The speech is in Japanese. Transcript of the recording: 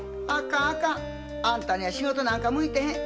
あかんあんたは仕事なんか向いてへん。